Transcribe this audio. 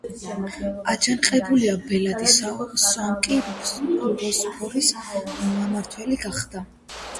აჯანყებულთა ბელადი სავმაკი ბოსფორის მმართველი გახდა.